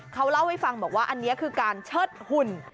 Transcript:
เขาเล่าให้ฟังบอกว่าอันนี้คือการเชิดหุ่น